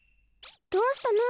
どうしたの？